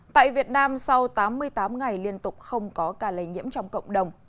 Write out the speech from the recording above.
tại việt nam sau tám mươi tám ngày liên tục không có ca lây nhiễm trong cộng đồng